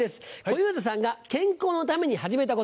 小遊三さんが「健康のために始めたこと」